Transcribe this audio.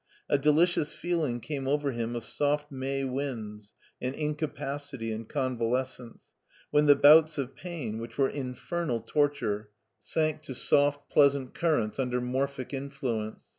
A delicious feeling came over him of soft May winds and incapacity and convalescence, when the bouts of pain, which were infernal torture, sank 6$ 66 MARTIN SCHULER to soft, pleasant currents under morphic influence.